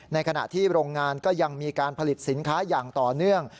ในขณะที่โรงงานก็ยังมีการผลิตสินค้าอย่างต่อเนื่อง